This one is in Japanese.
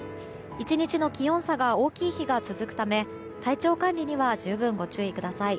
１日の気温差が大きい日が続くため体調管理には十分、ご注意ください。